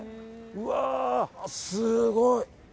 うわあ、すごい！